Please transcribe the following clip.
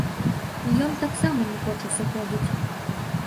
Ён таксама не хоча сыходзіць.